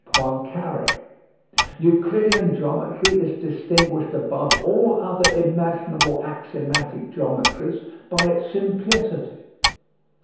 Poincare: Euclidean geometry is distinguished above all other imaginable axiomatic geometries by its simplicity.